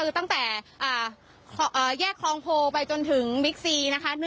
คือตั้งแต่แยกคลองโพไปจนถึงบิ๊กซีนะคะ